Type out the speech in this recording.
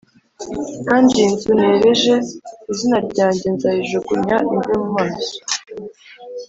kandi iyi nzu nereje izina ryanjye nzayijugunya imve mu maso